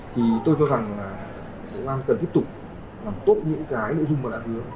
thì tôi cho rằng bộ an cần tiếp tục làm tốt những cái nội dung mà đã hứa